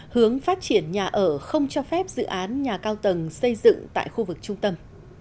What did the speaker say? hướng phát triển nhà ở không cho phép dự án nhà cao tầng xây dựng tại khu vực trung tâm